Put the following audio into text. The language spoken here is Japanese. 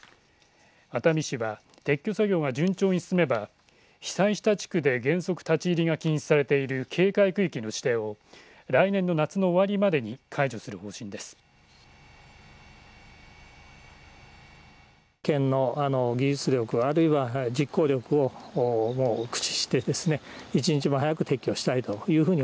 熱海市は撤去作業が順調に進めば被災した地区で原則立ち入りが禁止されている警戒区域の指定を来年の夏の終わりまでに解除する方針です。